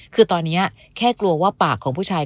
คือตอนนี้แค่กลัวว่าปากของผู้ชาย